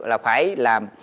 là phải làm